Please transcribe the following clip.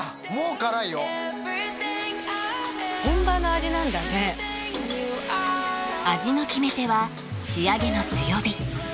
もう辛いよ本場の味なんだね味の決め手は仕上げの強火